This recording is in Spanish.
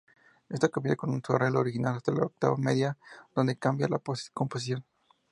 Esta comienza con su arreglo original, hasta la octava media, donde cambia la composición.